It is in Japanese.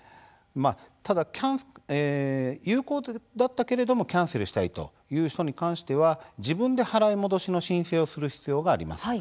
ただ有効だったけれどもキャンセルをしたいという人に関しては自分で払い戻しの申請をする必要があります。